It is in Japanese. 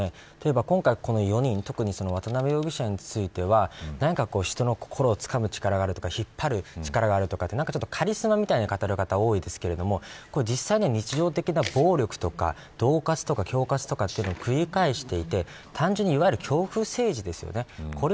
今回、この４人特に渡辺容疑者については人の心つかむ力があるとか引っ張る力があるとかカリスマみたいに語る方が多いですけど実際には、日常的な暴力とかどう喝とか恐喝を繰り返していて単純にいわゆる恐怖政治ですよね。